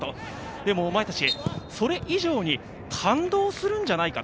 でも、お前たち、それ以上に感動するんじゃないか？